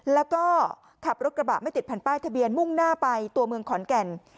แล้วก็ขับรถกระบะไม่ติดแผ่นป้ายทะเบียนมุ่งหน้าไปตัวเมืองขอนแก่น